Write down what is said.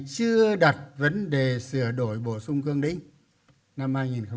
chưa đặt vấn đề sửa đổi bổ sung cương lĩnh năm hai nghìn một mươi một